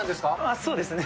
そうですね。